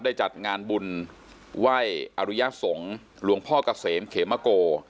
ได้จัดงานบุญไว้อรุยสงฆ์หลวงพ่อกระเสมเขมะโก